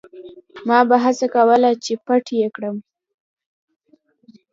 ما به هڅه کوله چې پټ یې کړم.